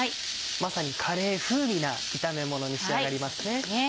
まさにカレー風味な炒めものに仕上がりますね。